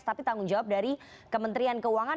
tapi tanggung jawab dari kementerian keuangan